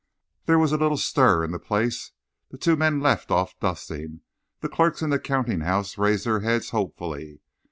Then there was a little stir in the place. The two men left off dusting; the clerks in the counting house raised their heads hopefully.